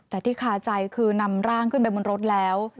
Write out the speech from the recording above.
แต่ที่คาใจคือนำร่างขึ้นไปบนรถแล้ว